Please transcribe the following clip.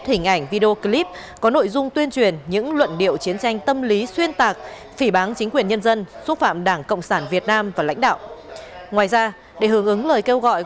hãy đăng ký kênh để ủng hộ kênh của chúng mình nhé